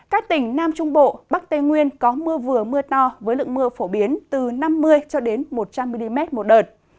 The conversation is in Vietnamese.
các tỉnh nam trung bộ bắc tây nguyên có mưa vừa mưa to với lượng mưa phổ biến từ năm mươi một trăm linh mm một đợt